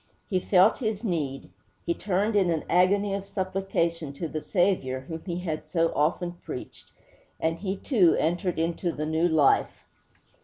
He felt his need; he turned in an agony of supplication to the Saviour whom he had so often preached; and he, too, entered into the new life.